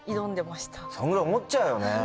そんぐらい思っちゃうよね。